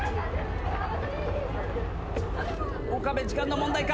岡部時間の問題か！？